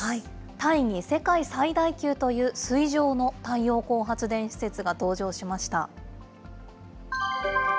タイに世界最大級という水上の太陽光発電施設が登場しました。